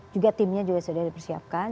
juga timnya juga sudah dipersiapkan